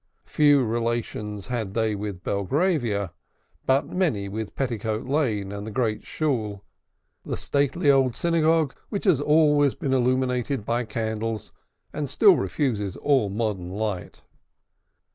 Few relations had they with Belgravia, but many with Petticoat Lane and the Great Shool, the stately old synagogue which has always been illuminated by candles and still refuses all modern light.